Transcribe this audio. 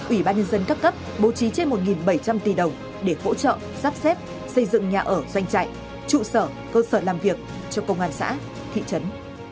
ủy ban nhân dân các cấp bố trí trên một bảy trăm linh tỷ đồng để hỗ trợ sắp xếp xây dựng nhà ở doanh trại trụ sở cơ sở làm việc cho công an xã thị trấn